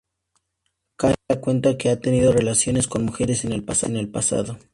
Cay le cuenta que ha tenido relaciones con mujeres en el pasado.